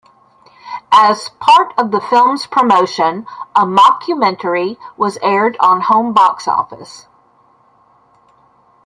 As part of the film's promotion, a mockumentary was aired on Home Box Office.